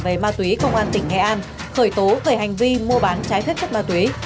về ma túy công an tỉnh nghệ an khởi tố về hành vi mua bán trái phép chất ma túy